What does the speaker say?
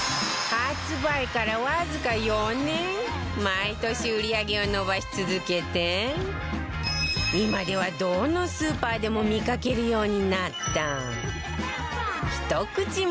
毎年売り上げを伸ばし続けて今ではどのスーパーでも見かけるようになった